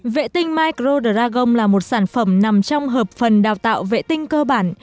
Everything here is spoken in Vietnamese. vệ tinh micro dragon là một sản phẩm nằm trong hợp phần đào tạo vệ tinh cơ bản